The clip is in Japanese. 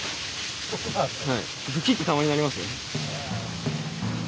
グキッてたまになりますよ。